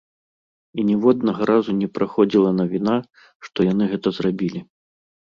І ніводнага разу не праходзіла навіна, што яны гэта зрабілі.